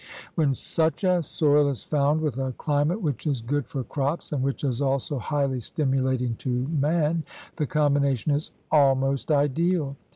When such a soil is found with a climate which is good for crops and which is also highly stimulating to man, the combination is al most ideal.